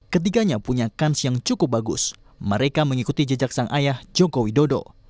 ketiganya punya kans yang cukup bagus mereka mengikuti jejak sang ayah joko widodo